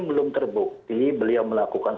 belum terbukti beliau melakukan